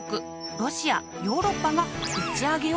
ロシアヨーロッパが打ち上げを予定。